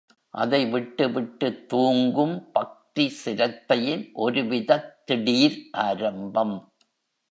அது விட்டு விட்டுத் தூங்கும் பக்தி சிரத்தையின் ஒருவிதத் திடீர் ஆரம்பம்.